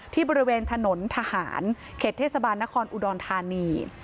บริเวณถนนทหารเขตเทศบาลนครอุดรธานี